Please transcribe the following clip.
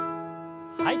はい。